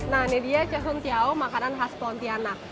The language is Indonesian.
nah ini dia jehuntiao makanan khas pontianak